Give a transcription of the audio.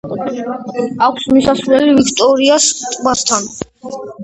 აქვს მისასვლელი ვიქტორიას ტბასთან.